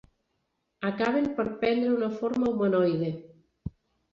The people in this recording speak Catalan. Acaben per prendre una forma humanoide.